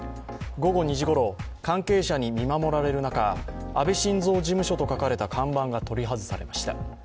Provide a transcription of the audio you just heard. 午後２時ごろ、関係者に見守られる中、「あべ晋三事務所」と書かれた看板が取り外されました。